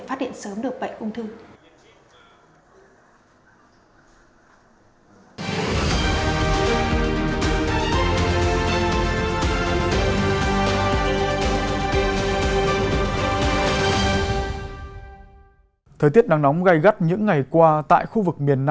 phát hiện sớm được bệnh ung thư